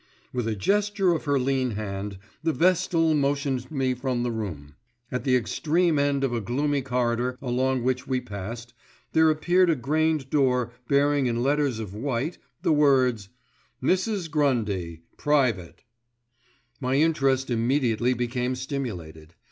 With a gesture of her lean hand, the Vestal motioned me from the room. At the extreme end of a gloomy corridor along which we passed, there appeared a grained door bearing in letters of white the words:— MRS. GRUNDY PRIVATE My interest immediately became stimulated.